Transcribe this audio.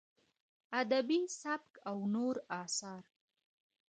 ادبي سبک او نور اثار: